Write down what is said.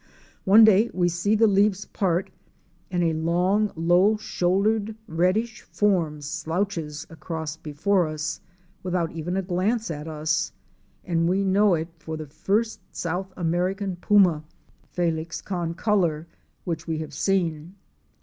One day we see the leaves part, and a long, low shouldered reddish form slouches across before us, without even a glance at us, and we know it for the first South American puma (Felis concolor) which we have seen.